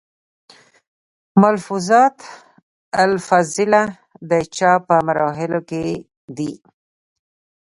ملفوظات الافضلېه، د چاپ پۀ مرحلو کښې دی